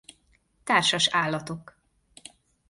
Társas állatok.